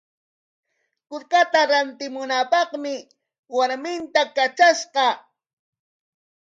Kukata rantimunapaqmi warminta katrashqa.